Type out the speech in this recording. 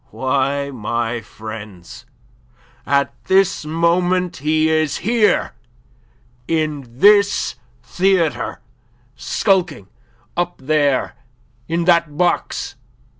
Why, my friends, at this moment he is here in this theatre skulking up there in that box.